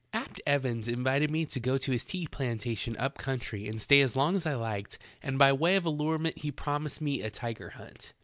'T. EVANS invited me to go to his tea plantation up eountry and stay as long as I liked and by way of allurement he promised me a tiger hunt.